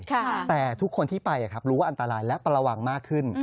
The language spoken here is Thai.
แต่ทุกคนที่ไปรู้ว่าอันตรายและประวังมากขึ้น